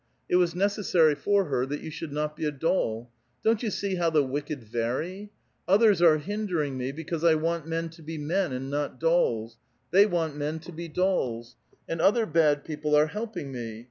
It was necessary for her that you should not be a doll. Don't you see how the wicked vary ? Othei's are hiu dering me, because I want men to be men, and not dolls ; they want men to be dolls. And other bad people are help ing me.